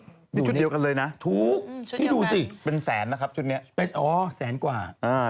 อยู่เดียวกันเลยนะถูกนี่ดูสิเป็นแสนนะครับชุดนี้เป็นอ๋อแสนกว่า